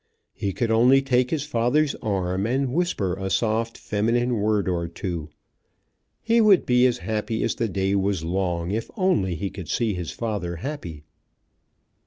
He could only take his father's arm, and whisper a soft feminine word or two. He would be as happy as the day was long, if only he could see his father happy.